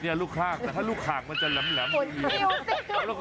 นี่ลูกข้างแต่ถ้าลูกข้างมันจะหลำ